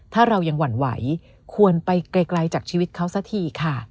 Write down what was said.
ถ้าเรายังหวั่นไหวควรไปไกลจากชีวิตเขาสักทีค่ะ